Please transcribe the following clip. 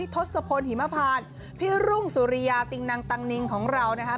ทศพลหิมพานพี่รุ่งสุริยาติงนังตังนิงของเรานะครับ